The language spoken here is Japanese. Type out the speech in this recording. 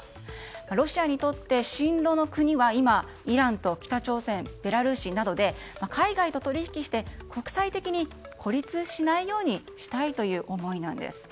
ロシアにとって親ロの国は今、イランと北朝鮮ベラルーシなどで海外と取引して国際的に孤立しないようにしたいという思いなんです。